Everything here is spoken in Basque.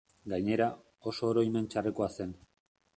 Gainera, oso oroimen txarrekoa zen.